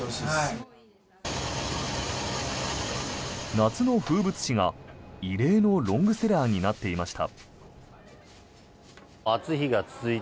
夏の風物詩が異例のロングセラーになっていました。